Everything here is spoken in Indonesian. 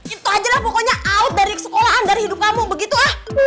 itu aja lah pokoknya out dari sekolahan dari hidup kamu begitu ah